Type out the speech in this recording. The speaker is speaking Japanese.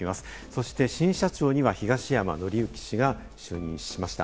そして新社長には東山紀之氏が就任しました。